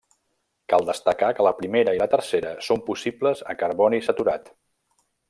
Cal destacar que la primera i la tercera són possibles a carboni saturat.